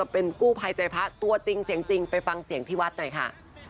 เป็นกู้ภัยใจพระตัวจริงเสียงจริงไปฟังเสียงที่วัดหน่อยค่ะ